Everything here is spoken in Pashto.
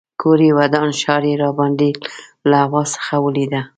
کور یې ودان ښار یې راباندې له هوا څخه ولیده.